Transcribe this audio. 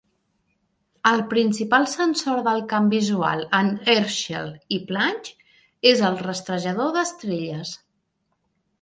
El principal sensor del camp visual en "Herschel" i "Planck" és el rastrejador d'estrelles.